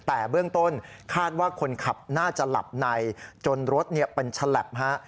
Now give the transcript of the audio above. แต่เบื้องต้นคาดว่าคนขับน่าจะหลับในจนรถเป็นฉลับฮะ